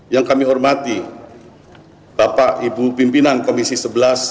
yang kami hormati bapak ibu pimpinan komisi sebelas